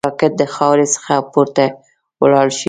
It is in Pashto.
راکټ د خاورې څخه پورته ولاړ شي